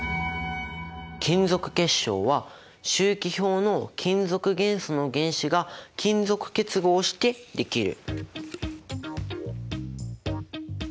金属結晶は周期表の金属元素の原子が金属結合してできる。